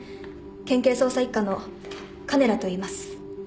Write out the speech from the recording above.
県警捜査一課の鐘羅といいます。